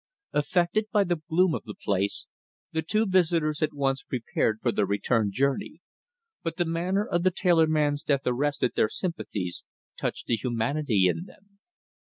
Affected by the gloom of the place, the two visitors at once prepared for their return journey, but the manner of the tailorman's death arrested their sympathies, touched the humanity in them.